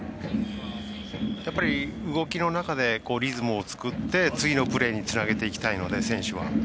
やっぱり動きの中でリズムを作って、次のプレーにつなげていきたいので、選手は。